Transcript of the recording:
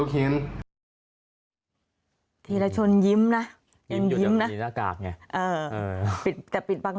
ก็ปิดต่างหวังยิ้มไม่ได้เอาเห็นจากสายตาต